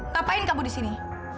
ngapain kamu di sini